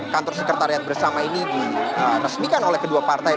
kantor sekretariat bersama ini diresmikan oleh kedua partai